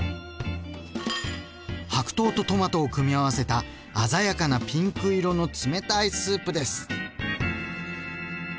白桃とトマトを組み合わせた鮮やかなピンク色の冷たいスープです。